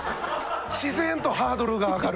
自然とハードルが上がる。